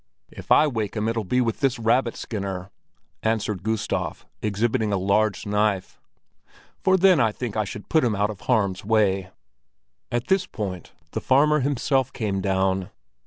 "If I wake him, it'll be with this rabbit skinner," answered Gustav, exhibiting a large knife. "For then I think I should put him out of harm's way." At this point the farmer himself came down.